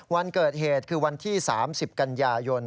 วันเกิดเหตุคือวันที่๓๐กันยายน